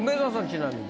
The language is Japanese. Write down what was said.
ちなみに。